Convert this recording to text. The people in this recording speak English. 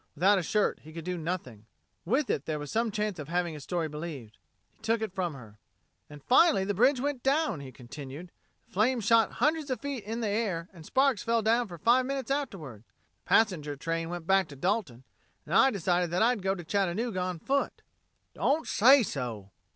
Without a shirt he could no nothing; with it there was some chance of having his story believed. He took it from her. "And finally the bridge went down," he continued. "The flames shot hundreds of feet in the air, and the sparks fell down for five minutes afterwards. The passenger train went back to Dalton, and I decided that I'd go to Chattanooga on foot." "Don't say so!"